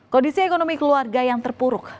kondisi ekonomi keluarga yang terpuruk